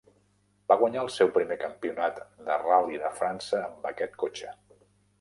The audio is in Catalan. Va guanyar el seu primer Campionat de Ral·li de França amb aquest cotxe.